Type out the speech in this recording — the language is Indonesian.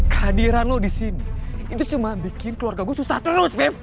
kehadiran lo di sini itu cuma bikin keluarga gue susah terus